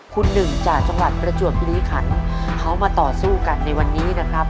คุณหนึ่งจากจังหวัดประจวบคิริขันเขามาต่อสู้กันในวันนี้นะครับ